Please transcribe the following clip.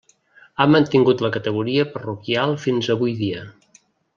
Ha mantingut la categoria parroquial fins avui dia.